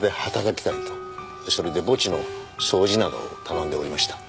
それで墓地の掃除などを頼んでおりました。